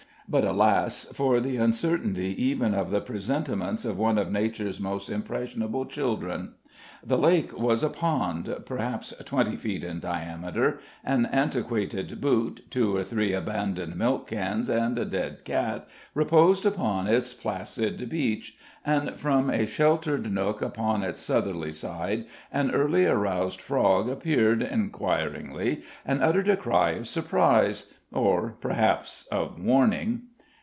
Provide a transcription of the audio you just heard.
But, alas! for the uncertainty even of the presentiments of one of Nature's most impressible children. The "lake" was a pond, perhaps twenty feet in diameter; an antiquated boot, two or three abandoned milk cans, and a dead cat, reposed upon its placid beach; and from a sheltered nook upon its southerly side, an early aroused frog appeared, inquiringly, and uttered a cry of surprise or, perhaps, of warning.